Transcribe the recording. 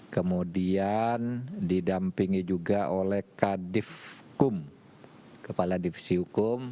kemudian didampingi juga oleh kdfkum kepala divisi hukum